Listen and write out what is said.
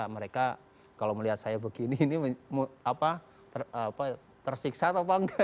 mereka kalau melihat saya begini ini tersiksa atau apa enggak